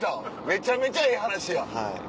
めちゃめちゃええ話やん。